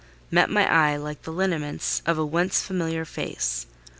met my eye like the lineaments of a once familiar face.